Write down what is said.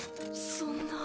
そんなぁ。